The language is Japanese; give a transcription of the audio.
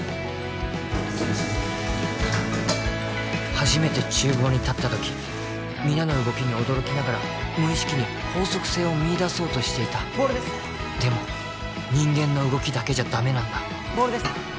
初めて厨房に立った時皆の動きに驚きながら無意識に法則性を見いだそうとしていたでも人間の動きだけじゃダメなんだボウルです